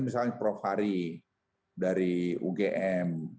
misalnya prof hari dari ugm